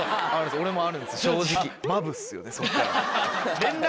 俺もあるんですよ正直。